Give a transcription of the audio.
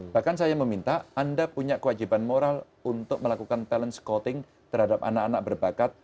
bahkan saya meminta anda punya kewajiban moral untuk melakukan talent scouting terhadap anak anak berbakat